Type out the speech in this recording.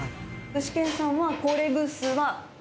具志堅さんは。